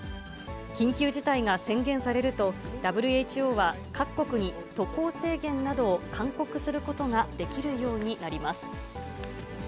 緊急事態が宣言されると、ＷＨＯは各国に渡航制限などを勧告することができるようになります。